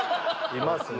いますね。